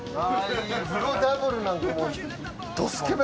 風呂ダブルなんかもう。